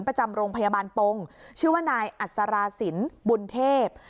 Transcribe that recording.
ประจำโรงพยาบาลปงชื่อว่านายอัศราสินบุญเทพ